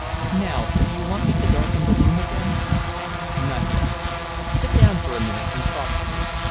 "Now, do you want me to darken the room again?" "Not yet. Sit down for a minute and talk to me.